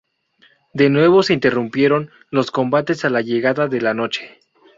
De nuevo se interrumpieron los combates a la llegada de la noche.